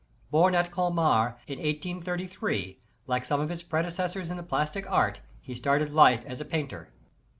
Bom at Colmar in 1833, like some of his predecessors in the plastic art, he started life as a painter.